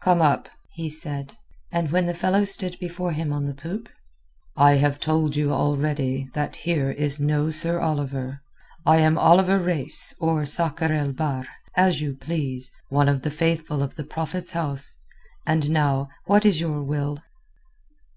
"Come up," he said. And when the fellow stood before him on the poop—"I have told you already that here is no Sir Oliver. I am Oliver Reis or Sakr el Bahr, as you please, one of the Faithful of the Prophet's House. And now what is your will?"